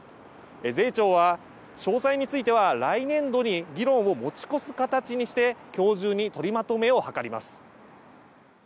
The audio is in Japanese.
税調は詳細については来年度に議論を持ち越す形にして今日中に取りまとめを図ります。